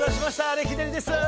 レキデリです。